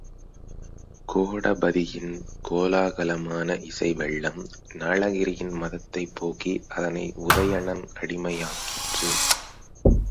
கோடபதியின் கோலாகலமான இசைவெள்ளம், நளகிரியின் மதத்தைப் போக்கி அதனை உதயணன் அடிமையாக்கிற்று.